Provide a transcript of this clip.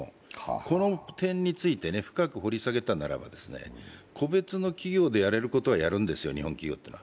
この点について深く掘り下げたならば個別の企業でやれることはやるんですよ、日本企業というのは。